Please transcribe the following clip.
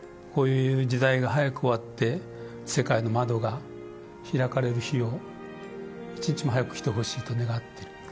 こういう時代が早く終わって世界の窓が開かれる日を一日も早く来てほしいと願ってる。